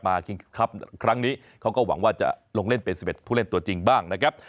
คิงครับครั้งนี้เขาก็หวังว่าจะลงเล่นเป็น๑๑ผู้เล่นตัวจริงบ้างนะครับ